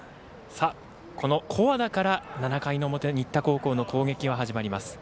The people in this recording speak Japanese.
古和田から７回の表新田高校の攻撃は始まります。